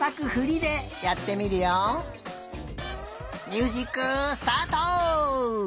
ミュージックスタート！